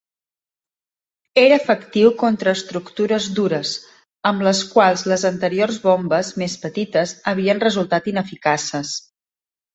Era efectiu contra estructures dures, amb les quals les anteriors bombes, més petites, havien resultat ineficaces.